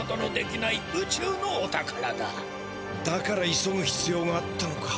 だから急ぐひつようがあったのか。